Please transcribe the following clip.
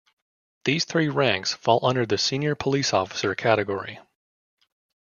These three ranks fall under the senior police officer category.